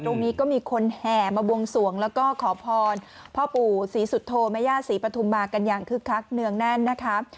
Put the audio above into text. ตรงนี้ก็มีคนแห่มาบวงสวงแล้วก็ขอพรพ่อปู่ศรีสุโธแม่ย่าศรีปฐุมมากันอย่างคึกคักเนืองแน่นนะคะ